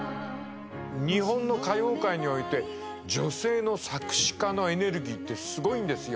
日本の歌謡界において女性の作詞家のエネルギーってすごいんですよ。